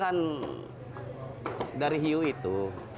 penghasilan dari hiu itu